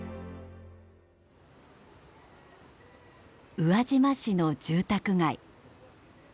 宇和島市の住宅街。